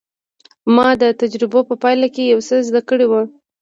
ما د تجربو په پايله کې يو څه زده کړي وو.